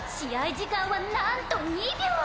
時間は何と２秒！